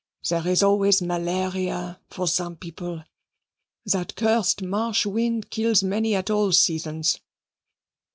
There is always malaria for some people. That cursed marsh wind kills many at all seasons.